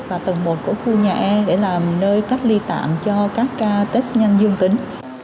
và tầng một của khu nhà e để làm nơi cắt ly tạm cho các ca test nhanh dương tính